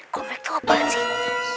comeback tuh apaan sih